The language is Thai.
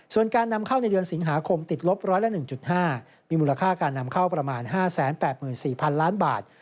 ส่วนการนำเข้าในเดือนสิงหาคมติดลบ๑๐๑๕มีมูลค่าการนำเข้าประมาณ๕๘๔๐๐๐ล้านบาท